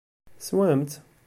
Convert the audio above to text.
Teswam-tt?